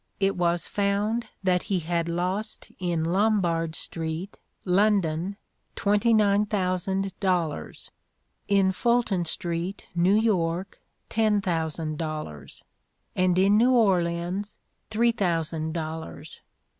It was found that he had lost in Lombard street, London, twenty nine thousand dollars; in Fulton street, New York, ten thousand dollars; and in New Orleans, three thousand dollars.